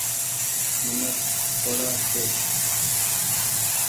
منک ٿوڙآ ڇي۔